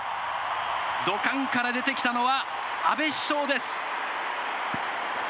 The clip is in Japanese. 土管から出てきたのは、安倍首相です。